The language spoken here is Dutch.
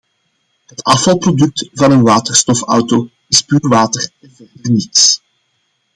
Het afvalproduct van een waterstofauto is puur water en verder niets.